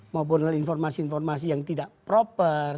maupun informasi informasi yang tidak proper